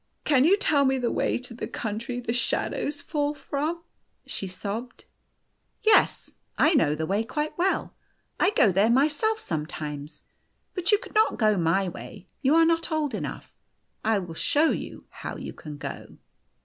" Can you tell me the way to the country the shad ows fall from ?" she sobbed. " Yes. I know the way quite well. I go there myself sometimes. But you could not go my way; you are not old enough. I will show you how you can go."